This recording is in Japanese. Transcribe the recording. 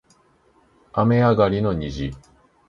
雨上がりの虹